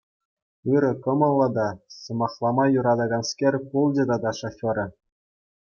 Ырӑ кӑмӑллӑ та сӑмахлама юратаканскер пулчӗ тата шоферӗ.